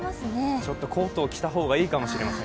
ちょっとコートを着た方がいいかもしれません。